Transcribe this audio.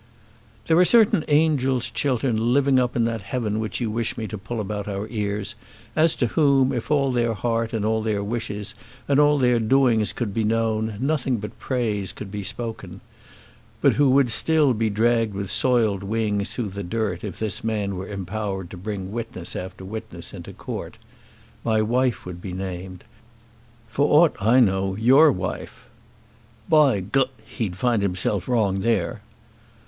"There are certain angels, Chiltern, living up in that heaven which you wish me to pull about our ears, as to whom, if all their heart and all their wishes and all their doings could be known, nothing but praise could be spoken; but who would still be dragged with soiled wings through the dirt if this man were empowered to bring witness after witness into court. My wife would be named. For aught I know, your wife." "By G , he'd find himself wrong there."